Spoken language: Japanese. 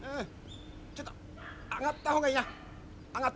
ちょっと上がった方がいいな。